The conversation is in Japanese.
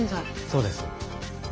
そうです。